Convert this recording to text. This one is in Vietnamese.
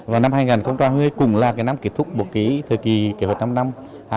và năm hai nghìn hai mươi cũng là cái năm kết thúc một cái thời kỳ kế hoạch năm năm